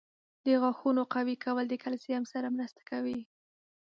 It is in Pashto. • د غاښونو قوي کول د کلسیم سره مرسته کوي.